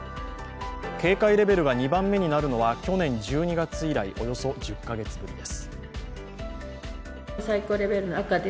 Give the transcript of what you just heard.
警戒レベルが２番目になるのは去年１２月以来およそ１０カ月ぶりです。